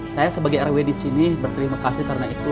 saya sebagai rw di sini berterima kasih karena itu